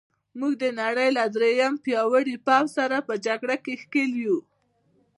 موږ د نړۍ له درېیم پیاوړي پوځ سره په جګړه کې ښکېل یو.